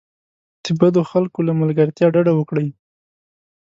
د بدو خلکو له ملګرتیا ډډه وکړئ.